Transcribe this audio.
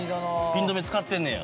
ピン留め使ってんねや？